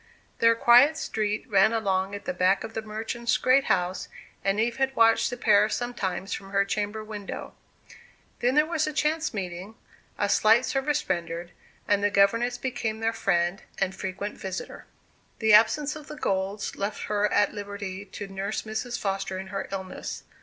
Their quiet street ran along at the back of the merchant's great house, and Eve had watched the pair sometimes from her chamber window. Then there was a chance meeting, a slight service rendered, and the governess became their friend and frequent visitor. The absence of the Golds left her at liberty to nurse Mrs. Foster in her illness.